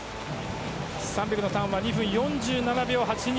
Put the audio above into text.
３００のターンは２分４７秒８２。